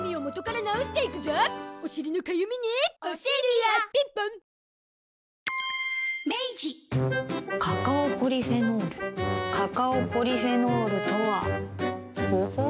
はっカカオポリフェノールカカオポリフェノールとはほほう。